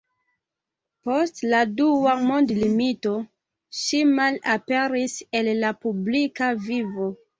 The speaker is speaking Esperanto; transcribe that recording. Post la dua mondmilito ŝi malaperis el la publika vivo.